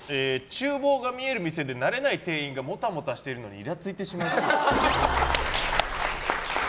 厨房が見える店で慣れない店員がモタモタしてるのにイラついてしまうっぽい。